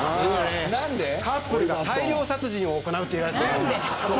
カップルが大量殺人を行う映画ですね。